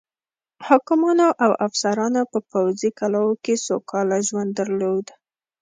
حاکمانو او افسرانو په پوځي کلاوو کې سوکاله ژوند درلوده.